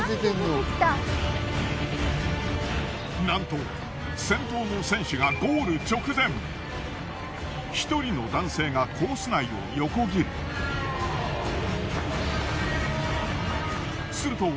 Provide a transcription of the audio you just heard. なんと先頭の選手がゴール直前１人の男性がコース内を横切る。